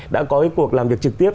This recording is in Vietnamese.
đã có cái cuộc làm việc trực tiếp